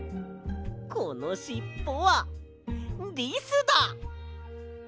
このしっぽはリスだ！